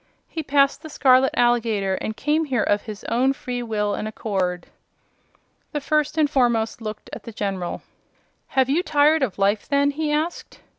"He passed the scarlet alligator and came here of his own free will and accord." The First and Foremost looked at the General. "Have you tired of life, then?" he asked.